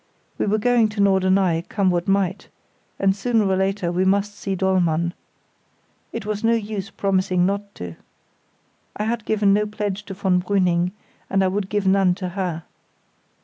We were going to Norderney, come what might, and sooner or later we must see Dollmann. It was no use promising not to. I had given no pledge to von Brüning, and I would give none to her.